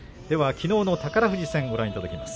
きのうの宝富士戦をご覧いただきます。